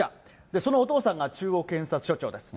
そのお父さんが、中央検察所長です。